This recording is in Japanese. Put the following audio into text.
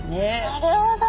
なるほど！